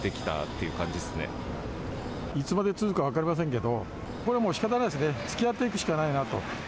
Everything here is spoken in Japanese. いつまで続くか分かりませんけど、これはもうしかたないですね、つきあっていくしかないなと。